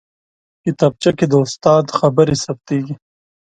کتابچه کې د استاد خبرې ثبتېږي